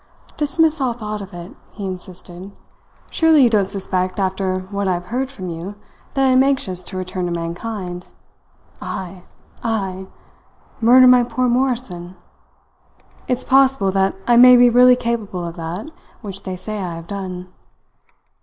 "Dismiss all thought of it," he insisted. "Surely you don't suspect after what I have heard from you, that I am anxious to return to mankind. I! I! murder my poor Morrison! It's possible that I may be really capable of that which they say I have done.